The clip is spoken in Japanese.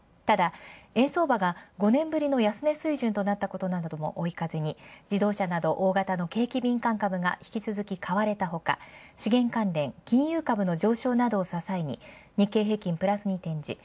ただ、円相場が５年ぶりの安値水準となったことを追い風に自動車など大型の景気敏感株が引きつづきかわれたほか資源関連、金融株の上昇などをささえる。